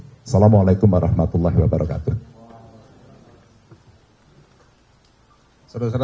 wassalamu alaikum warahmatullahi wabarakatuh